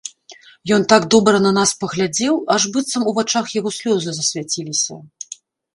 Ён так добра на нас паглядзеў, аж быццам у вачах яго слёзы засвяціліся.